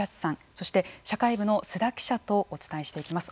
そして、社会部の須田記者とお伝えしていきます。